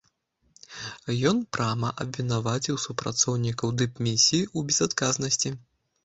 Ён прама абвінаваціў супрацоўнікаў дыпмісіі ў безадказнасці.